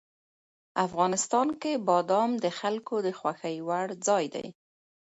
افغانستان کې بادام د خلکو د خوښې وړ ځای دی.